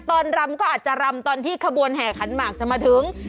รำก็อาจจะรำตอนที่ขบวนแห่ขันหมากจะมาถึง